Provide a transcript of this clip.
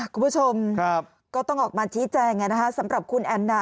คุณผู้ชมก็ต้องออกมาชี้แจงสำหรับคุณแอนนา